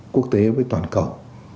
quốc tế với toàn cầu